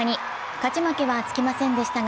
勝ち負けはつきませんでしたが、